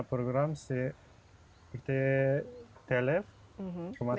satu program saya adalah telepon